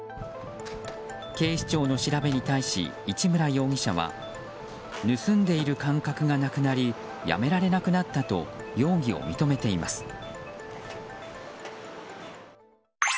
警視庁の調べに対し市村容疑者は盗んでいる感覚がなくなりやめられなくなったと容疑を認めています。